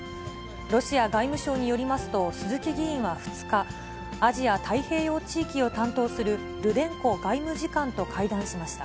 ロシア外務省によりますと、鈴木議員は２日、アジア太平洋地域を担当するルデンコ外務次官と会談しました。